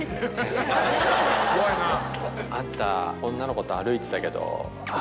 「あんた女の子と歩いてたけど」。